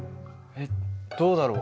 えっどうだろう？